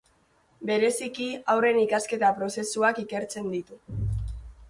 Bereziki, haurren ikasketa-prozesuak ikertzen ditu.